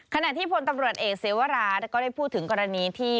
ขณะที่พลตำรวจเอกเสวราก็ได้พูดถึงกรณีที่